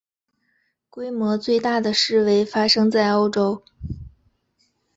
规模最大的示威发生在欧洲。